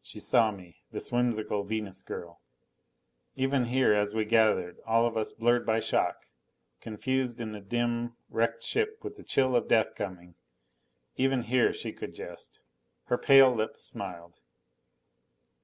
She saw me; this whimsical Venus girl! Even here as we gathered, all of us blurred by shock, confused in the dim, wrecked ship with the chill of death coming even here she could jest. Her pale lips smiled.